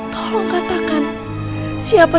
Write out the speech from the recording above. kamu tidak bisa menghadapi siapa